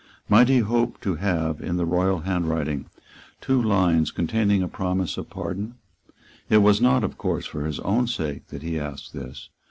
Might he hope to have, in the royal handwriting, two lines containing a promise of pardon? It was not, of course, for his own sake that he asked this.